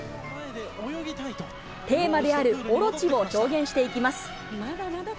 テーマであるおろちを表現していきます。